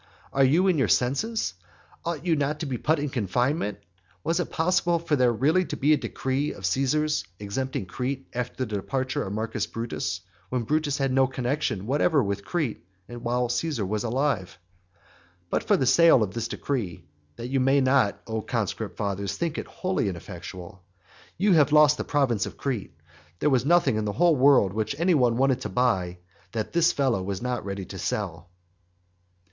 Are you in your senses? Ought you not to be put in confinement? Was it possible for there really to be a decree of Caesar's exempting Crete after the departure of Marcus Brutus, when Brutus had no connexion whatever with Crete while Caesar was alive? But by the sale of this decree (that you may not, O conscript fathers, think it wholly ineffectual) you have lost the province of Crete. There was nothing in the whole world which any one wanted to buy that this fellow was not ready to sell.